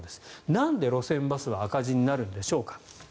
なんで路線バスは赤字になるんでしょうか。